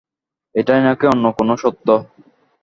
এটাই নাকি অন্য কোনো সত্য?